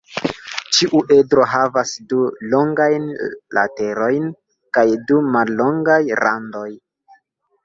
Ĉiu edro havas du longajn laterojn kaj du mallongaj randoj.